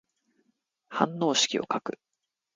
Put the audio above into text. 反応式を書く。